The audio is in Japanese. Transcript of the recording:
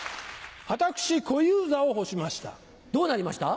私・小遊三を干しました。